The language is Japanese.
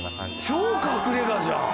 超隠れ家じゃん！